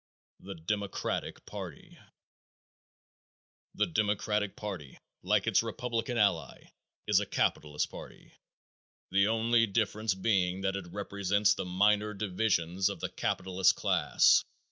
The Democratic Party. The Democratic party, like its Republican ally, is a capitalist party, the only difference being that it represents the minor divisions of the capitalist class.